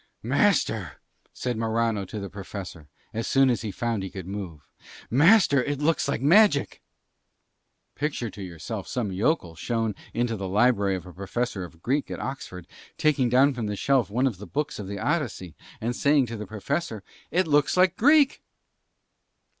"Master," said Morano to the Professor, as soon as he found he could move, "master, it looks like magic." Picture to yourself some yokel shown into the library of a professor of Greek at Oxford, taking down from a shelf one of the books of the Odyssey, and saying to the Professor, "It looks like Greek"!